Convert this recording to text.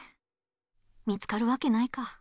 見つかるわけないか。